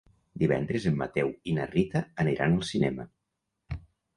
Divendres en Mateu i na Rita aniran al cinema.